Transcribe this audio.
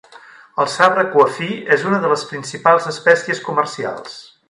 El sabre cuafí és una de les principals espècies comercials.